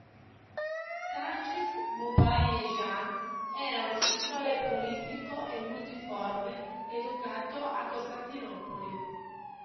Sargis Mubayeajian era uno scrittore prolifico e multiforme educato a Costantinopoli.